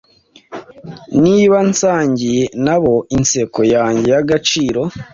niba nsangiye nabo inseko yanjye y'agaciro